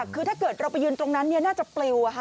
คือถ้าเกิดเราไปยืนตรงนั้นน่าจะปลิว